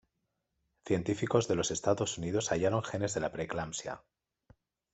Científicos de los Estados Unidos hallaron genes de la preeclampsia.